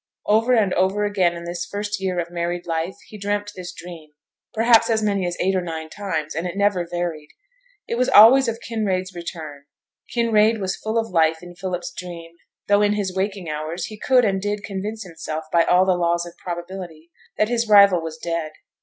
Over and over again in this first year of married life he dreamt this dream; perhaps as many as eight or nine times, and it never varied. It was always of Kinraid's return; Kinraid was full of life in Philip's dream, though in his waking hours he could and did convince himself by all the laws of probability that his rival was dead.